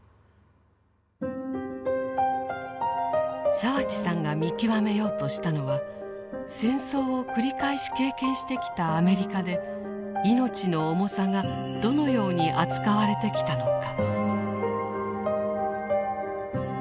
澤地さんが見極めようとしたのは戦争を繰り返し経験してきたアメリカで命の重さがどのように扱われてきたのか。